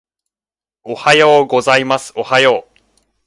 おはようございますおはよう